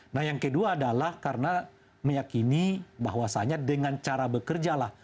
nah yang kedua adalah karena meyakini bahwasannya dengan cara bekerjalah